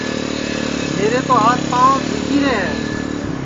میرے تو ہات پانٚو جھوجھی رے ہے